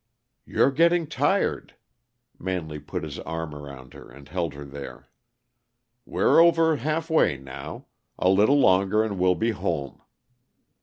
"You're getting tired." Manley put his arm around her and held her there. "We're over half way now. A little longer and we'll be home."